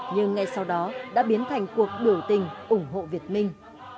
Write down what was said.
nhưng ngay sau đó đã biến thành cuộc biểu tình ủng hộ việt minh